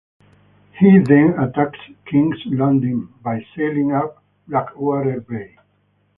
He then attacks King's Landing by sailing up Blackwater Bay.